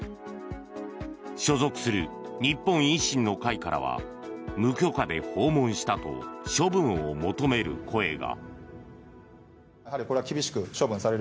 所属する日本維新の会からは無許可で訪問したと処分を求める声が。